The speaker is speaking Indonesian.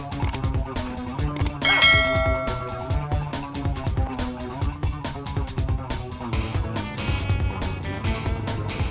" ppbmg terbawa sepuluh tahap renovasi ke jawa jawa berbagai anten plan fase satu dua helmet muita dahulu "